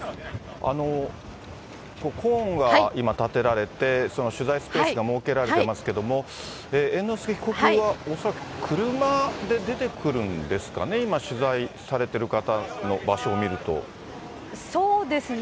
コーンが今、立てられて、取材スペースが設けられてますけど、猿之助被告は、恐らく車で出てくるんですかね、今、そうですね。